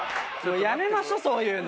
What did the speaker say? やめましょうそういうの。